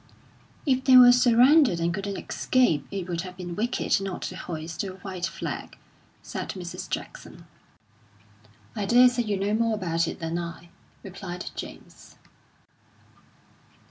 "If they were surrounded and couldn't escape, it would have been wicked not to hoist the white flag," said Mrs. Jackson. "I daresay you know more about it than I," replied James.